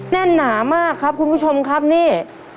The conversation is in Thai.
แน่นหนามากครับคุณผู้ชมครับนี่